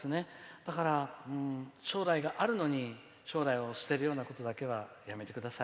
だから、将来があるのに将来を捨てるようなことだけはやめてください。